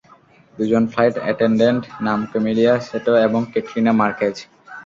দুজন flight attendant, নাম Camellia Sato এবং ক্যাটরিনা মার্কেজ।